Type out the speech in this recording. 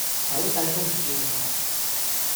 走勢都唔算靚呀